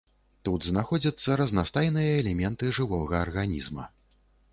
Тут знаходзяцца разнастайныя элементы жывога арганізма.